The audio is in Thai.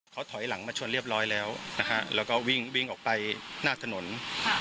เขาถอยหลังมาชนเรียบร้อยแล้วนะฮะแล้วก็วิ่งวิ่งออกไปหน้าถนน